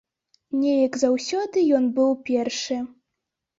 Неяк заўсёды ён быў першы.